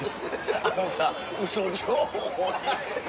あのさウソ情報を。